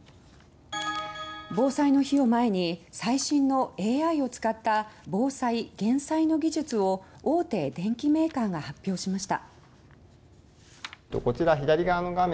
防災の日を前に最新のＡＩを使った防災・減災の技術を大手電機メーカーが発表しました。